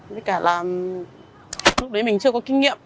với cả là lúc đấy mình chưa có kinh nghiệm